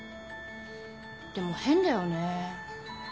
でも変だよね。